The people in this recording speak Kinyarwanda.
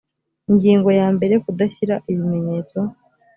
ingingo ya mbere kudashyira ibimenyetso